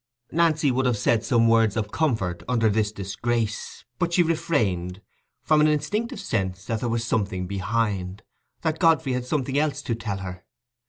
Nancy would have said some words of comfort under this disgrace, but she refrained, from an instinctive sense that there was something behind—that Godfrey had something else to tell her.